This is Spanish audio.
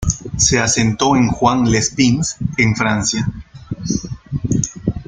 Se asentó en Juan-les-Pins, en Francia.